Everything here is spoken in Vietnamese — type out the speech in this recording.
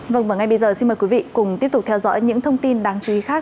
vâng và ngay bây giờ xin mời quý vị cùng tiếp tục theo dõi những thông tin đáng chú ý khác